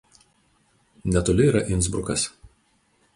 Netoli yra Insbrukas.